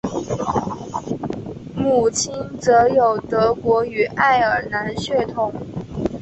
母亲则有德国与爱尔兰血统